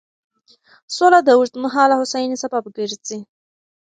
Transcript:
سوله د اوږدمهاله هوساینې سبب ګرځي.